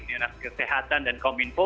dinas kesehatan dan kominfo